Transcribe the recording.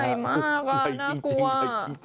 ใหญ่มากอ่ะน่ากลัว